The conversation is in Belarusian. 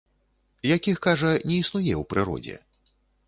Якіх, кажа, не існуе ў прыродзе.